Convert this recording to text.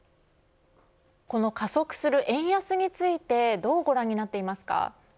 この加速する円安についてどうご覧になっていますか。